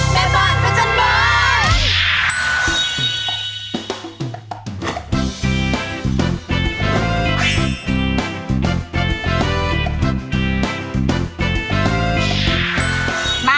แม่บ้านพระเจ้าบ้าน